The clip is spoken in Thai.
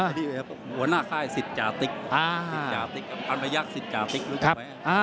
หัวหน้าค่ายสิทธิ์จาติกกับพันประยักษณ์สิทธิ์จาติกรู้จักไหมครับ